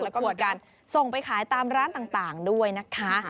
แล้วก็มีการส่งไปขายตามร้านต่างด้วยนะคะ